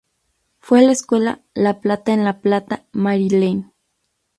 Fue a la escuela La Plata en La Plata, Maryland.